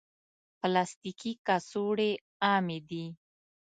پلاستيکي کڅوړې عامې دي.